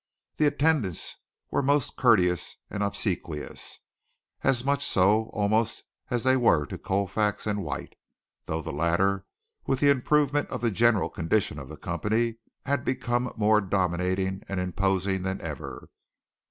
The attendants were most courteous and obsequious, as much so almost as they were to Colfax and White, though the latter with the improvement of the general condition of the company had become more dominating and imposing than ever.